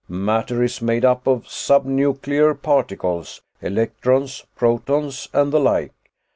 Matter is made up of subnuclear particles electrons, protons and the like.